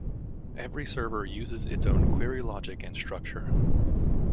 Every server uses its own query logic and structure.